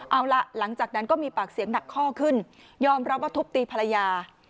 เอาล่ะหลังจากนั้นก็มีปากเสียงหนักข้อขึ้นยอมรับว่าทุบตีภรรยา